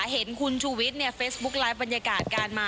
อายุต่ำกว่าสิบแปดอันนี้คือสิ่งที่เป็นปัญหาณครับเอ่อ